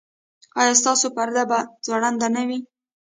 ایا ستاسو پرده به ځوړنده نه وي؟